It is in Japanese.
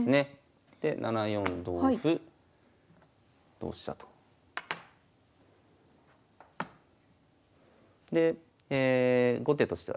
で７四同歩同飛車と。で後手としてはね